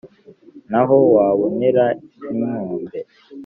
ntaho wabonera n’inkombe,